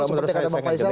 seperti yang ada pak faisal